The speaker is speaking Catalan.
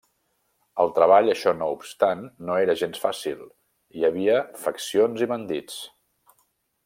El treball, això no obstant, no era gens fàcil: hi havia faccions i bandits.